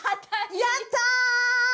やった！